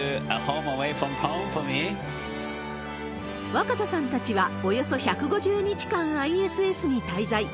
若田さんたちは、およそ１５０日間ＩＳＳに滞在。